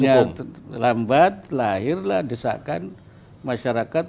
iya proses hukumnya lambat lahirlah desakan masyarakat